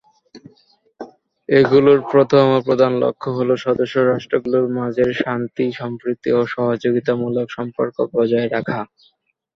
এগুলোর প্রথম ও প্রধান লক্ষ্য হলো সদস্য রাষ্ট্রগুলোর মাঝের শান্তি, সম্প্রীতি ও সহযোগিতামূলক সম্পর্ক বজায় রাখা।